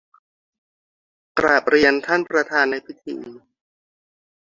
กราบเรียนท่านประธานในพิธี